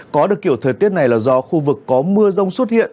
có được kiểu thời tiết này là do khu vực có mưa rông xuất hiện